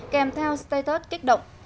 kèm theo status kích động